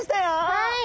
はい。